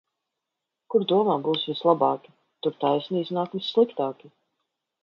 Kur domā būs vislabāki, tur taisni iznāk vissliktāki.